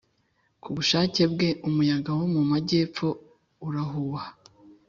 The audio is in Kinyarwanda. Ku bushake bwe, umuyaga wo mu majyepfo urahuha,